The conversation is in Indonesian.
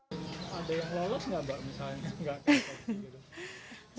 ada yang lolos nggak mbak misalnya